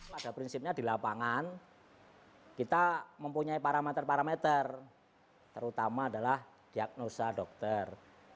pada prinsipnya di lapangan kita mempunyai parameter parameter terutama adalah diagnosa dokter